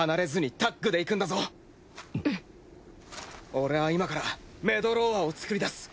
俺は今からメドローアを作り出す。